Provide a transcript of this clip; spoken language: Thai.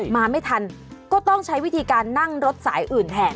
มาไม่ทันก็ต้องใช้วิธีการนั่งรถสายอื่นแทน